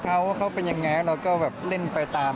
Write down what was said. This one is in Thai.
ว่าเขาเป็นอย่างไรแล้วก็เล่นไปตาม